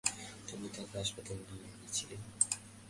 তুমি তাকে হাসপাতালে নিয়ে গিয়েছিলে।